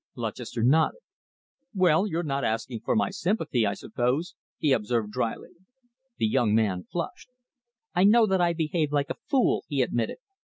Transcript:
Lutchester nodded. "Well, you're not asking for my sympathy, I suppose?" he observed drily. The young man flushed. "I know that I behaved like a fool," he admitted.